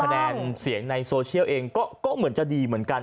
คะแนนเสียงในโซเชียลเองก็เหมือนจะดีเหมือนกัน